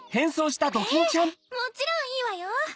ええもちろんいいわよ！